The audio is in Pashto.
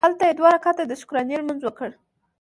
هلته یې دوه رکعته د شکرانې لمونځ وکړ.